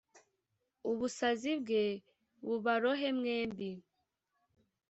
ubusazi bwe bubarohe mwembi